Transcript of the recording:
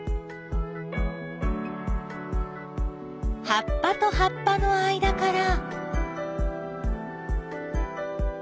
葉っぱと葉っぱの間から。